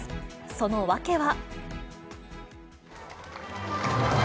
その訳は。